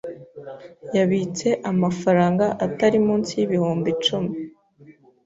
Yabitse amafaranga atari munsi yibihumbi icumi.